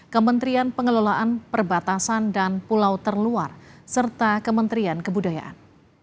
kementerian pengelolaan perbatasan dan pulau terluar serta kementerian kebudayaan